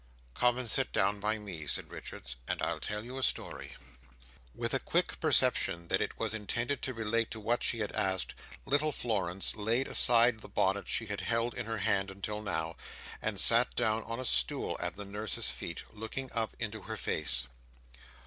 "Come and sit down by me," said Richards, "and I'll tell you a story." With a quick perception that it was intended to relate to what she had asked, little Florence laid aside the bonnet she had held in her hand until now, and sat down on a stool at the Nurse's feet, looking up into her face.